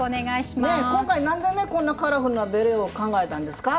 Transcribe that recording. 今回何でねこんなカラフルなベレー帽考えたんですか？